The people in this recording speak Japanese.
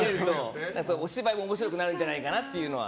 お芝居も面白くなるんじゃないのかなっていうのは。